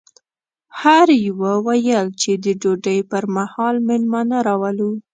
هر یوه ویل چې د ډوډۍ پر مهال مېلمانه راولو.